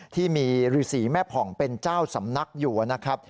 ที่มีฤษีแม่ผ่องเป็นเจ้าสำนักอยู่นะครับ